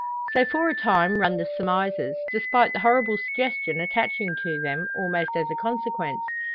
So for a time run the surmises, despite the horrible suggestion attaching to them, almost as a consequence.